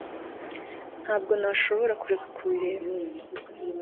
Ntabwo nashoboraga kureka kubireba